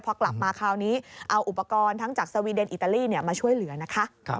พอกลับมาคราวนี้เอาอุปกรณ์ทั้งจากสวีเดนอิตาลีมาช่วยเหลือนะคะ